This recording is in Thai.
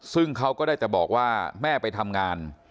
ซึ่งเขาก็ได้แต่บอกว่าแม่ไปทำงาน